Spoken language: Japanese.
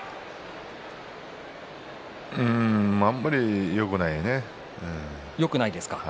あんまりよくないね。